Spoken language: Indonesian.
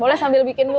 boleh sambil bikin bu